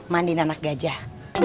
mandiin anak gajah